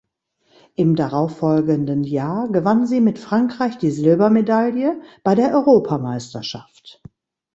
Im darauffolgenden Jahr gewann sie mit Frankreich die Silbermedaille bei der Europameisterschaft.